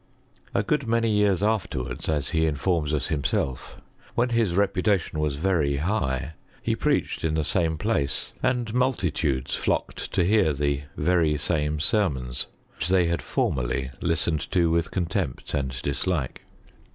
. A good many years afterwards, as he informs us himself, when his repulation was very high, he preached in the same place, and multitudes flocked to hear the very same sermons, which they had formerly listened to with contempt and dislike.